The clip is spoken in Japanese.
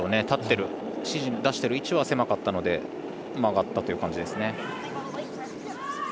立っている出している指示は狭かったので曲がったという感じです。